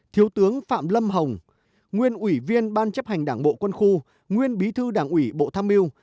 thiếu tướng phạm lâm hồng nguyên ủy viên ban chấp hành đảng bộ quân khu nguyên bí thư đảng ủy bộ tham mưu